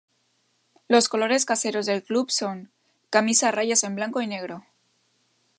Los colores caseros del Club son: camisa a rayas en blanco y negro.